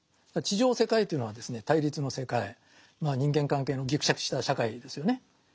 地上世界というのはですね対立の世界人間関係のぎくしゃくした社会ですよね。